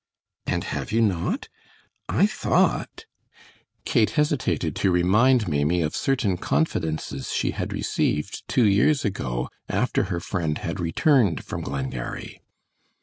"And have you not? I thought " Kate hesitated to remind Maimie of certain confidences she had received two years ago after her friend had returned from Glengarry.